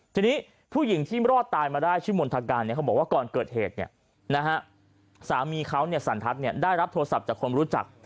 ทีนี้ผู้หญิงที่รอดตายมาได้ชื่อมนตรการเนี่ยเขาบอกว่าก่อนเกิดเหตุเนี่ยนะฮะสามีเขาเนี่ยสันทัพเนี่ยได้รับโทรศัพท์จากคนรู้จัก